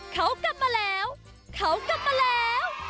เขากลับมาแล้วเขากลับมาแล้ว